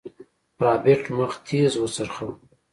رابرټ مخ تېز وڅرخوه.